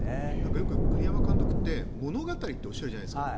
よく栗山監督って物語っておっしゃるじゃないですか。